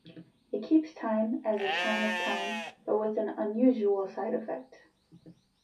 It keeps time as a chime of time but with an unusual side effect.